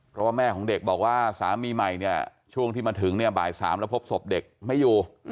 เพราะว่าแม่ของเด็กบอกว่าสามีใหม่เนี่ยช่วงที่มาถึงเนี่ยบ่าย๓แล้วพบศพเด็กไม่อยู่